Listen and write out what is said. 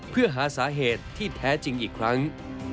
เพื่อหาสาเหตุที่แท้จริงอีกครั้ง